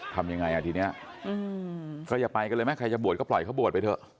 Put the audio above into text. ทำยังไงอาทิตย์เนี่ยเค้าอย่าไปกันเลยมั้ยใครจะบวชก็ปล่อยเค้าบวชไปเถอะ